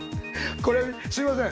これすいません。